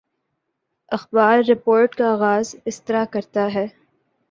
اخبار رپورٹ کا آغاز اس طرح کرتا ہے